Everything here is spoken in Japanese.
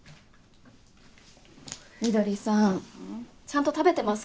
翠さんちゃんと食べてますか？